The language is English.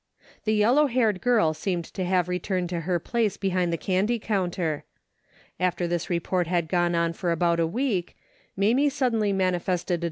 The yellow haired girl seemed to have re turned to her place behind the candy counter. After this report had gone on for about a week, Mamie suddenly manifested a.